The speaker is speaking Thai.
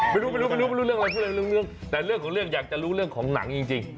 ไม่รู้ไม่รู้เรื่องอะไรพวกเรื่องแต่เรื่องของเรื่องอยากจะรู้เรื่องของหนังจริง